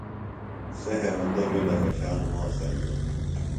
سےۡ ہیوندہ بِیڈہ خوشان ہوںسن دےۡ